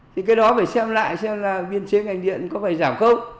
thì cái đó phải xem lại xem là biên chế ngành điện có phải giảm không